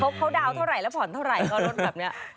เขาดาวน์เท่าไหรแล้วผ่อนเท่าไหร่ก็รถแบบนี้